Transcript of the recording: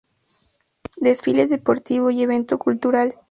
Desfile deportivo y evento cultural.